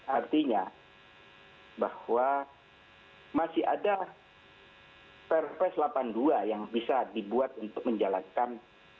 artinya bahwa masih ada perpres delapan puluh dua yang bisa dibuat untuk menjalankan